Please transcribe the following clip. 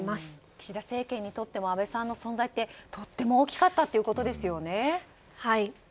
岸田政権にとっても安倍さんの存在はとても大きかったということですね。